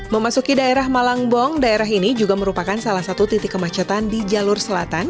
memasuki daerah malangbong daerah ini juga merupakan salah satu titik kemacetan di jalur selatan